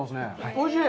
おいしい。